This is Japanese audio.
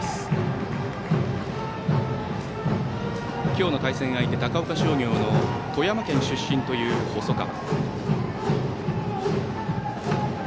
今日の対戦相手、高岡商業の富山県出身という細川。